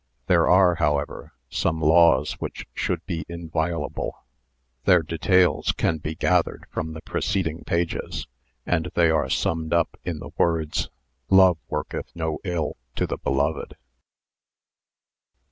There arc, however, some laws which should be inviolable. Their details can be gathered from the preceding pages, and they are summed up in the words :" Love worketh no ill to the beloved."